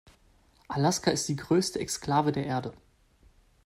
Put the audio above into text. Alaska ist die größte Exklave der Erde.